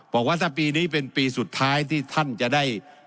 บอกว่าถ้าปีนี้เป็นปีสุดท้ายที่ท่านจะได้